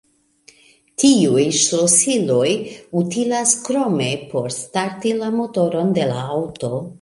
Tiuj ŝlosiloj utilas krome por starti la motoron de la aŭto.